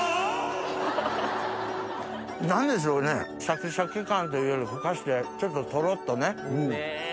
何でしょうねシャキシャキ感というよりふかしてちょっとトロっとね。ね！